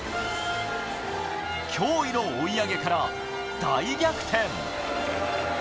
驚異の追い上げから大逆転。